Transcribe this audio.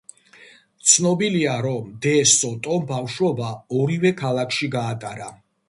ცნობილია, რომ დე სოტომ ბავშვობა ორივე ქალაქში გაატარა.